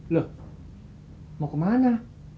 loh mau kemana